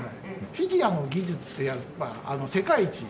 フィギュアの技術ってやっぱ世界一で。